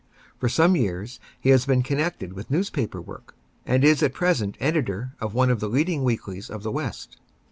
For some years he has been connected with newspaper work, and is at present editor of one of the leading weeklies of the West.